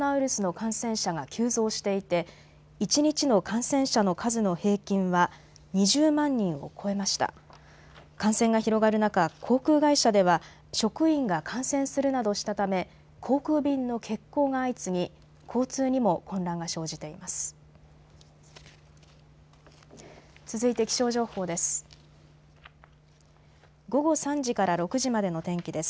感染が広がる中、航空会社では職員が感染するなどしたため航空便の欠航が相次ぎ交通にも混乱が生じています。